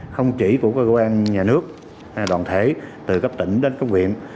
không chỉ của cơ quan nhà nước đoàn thể từ các tỉnh đến các huyện